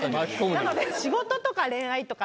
なので。